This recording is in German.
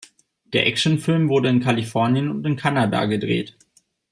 Der Actionfilm wurde in Kalifornien und in Kanada gedreht.